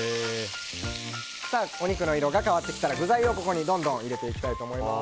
お肉の色が変わってきたら具材をここにどんどん入れていきたいと思います。